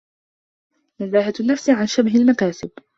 نَزَاهَةُ النَّفْسِ عَنْ شُبَهِ الْمَكَاسِبِ